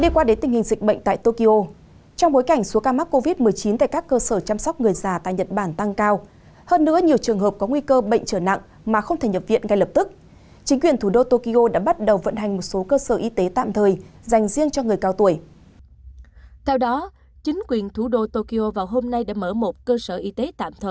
các bạn hãy đăng ký kênh để ủng hộ kênh của chúng mình nhé